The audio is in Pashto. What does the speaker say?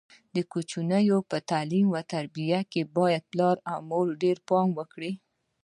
د کوچنیانو په تعلیم او تربیه کې باید پلار او مور ډېر پام وکړي.